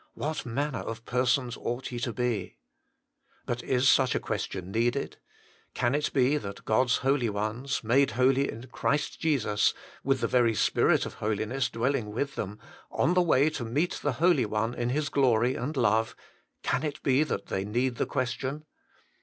' What manner of persons ought ye to be ?' But is such a question needed ? Can it be that God's holy ones, made holy in Christ Jesus, with the very spirit of holiness dwelling with them, on the way to meet the Holy One in His Glory and Love, can it be that they need the question